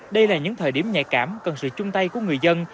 đây là những thời điểm nhạy cảm cần sự chung tay của người dân